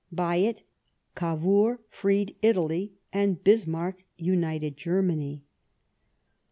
By it Cavour freed Italy, and Bismarck united Oermany.